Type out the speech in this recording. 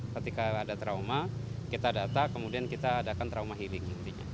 ketika ada trauma kita data kemudian kita adakan trauma healing